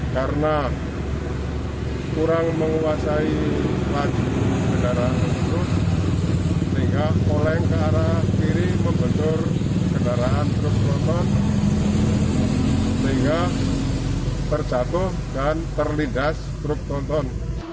karena kurang menguasai laju kendaraan tersebut sehingga oleng ke arah kiri membentur kendaraan truk motor sehingga terjatuh dan terlindas truk tronton